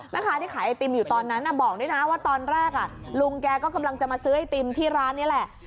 แม่ค้าที่ขายไอติมอยู่ตอนนั้นบอกด้วยนะว่าตอนแรกลุงแกก็กำลังจะมาซื้อไอติมที่ร้านนี้แหละ